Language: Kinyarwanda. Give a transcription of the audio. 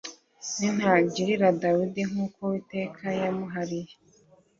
Nintagirira Dawidi nk uko Uwiteka yamurahiye